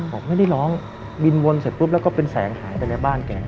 บอกไม่ได้ร้องบินวนเสร็จปุ๊บแล้วก็เป็นแสงหายไปในบ้านแก